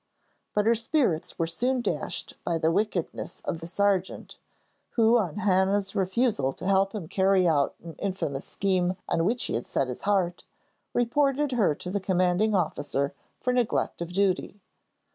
But her spirits were soon dashed by the wickedness of the sergeant, who on Hannah's refusal to help him to carry out an infamous scheme on which he had set his heart, reported her to the commanding officer for neglect of duty.